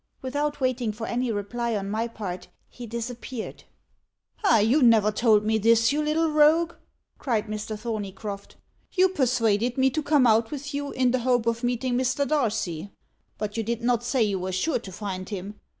Without waiting for any reply on my part, he disappeared." "Ah, you never told me this, you little rogue!" cried Mr. Thorneycroft. "You persuaded me to come out with you, in the hope of meeting Mr. Darcy; but you did not say you were sure to find him.